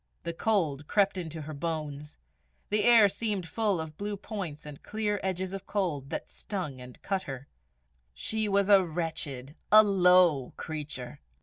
The cold crept into her bones; the air seemed full of blue points and clear edges of cold, that stung and cut her. She was a wretched, a low creature!